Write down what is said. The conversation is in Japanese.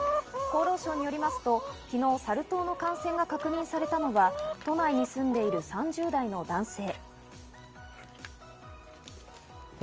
厚労省によりますと、昨日サル痘の感染が確認されたのは、都内に住んでいる３０代の男性。